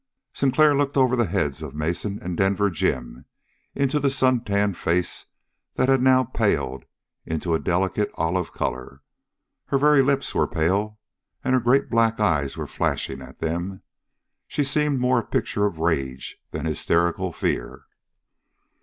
Sinclair looked over the heads of Mason and Denver Jim into the suntanned face that had now paled into a delicate olive color. Her very lips were pale, and her great black eyes were flashing at them. She seemed more a picture of rage than hysterical fear.